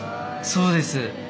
そうです。